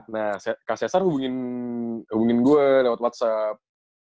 nah kak sesar hubungin gue lewat whatsapp